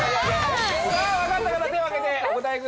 さぁ分かった方手を挙げてお答えください。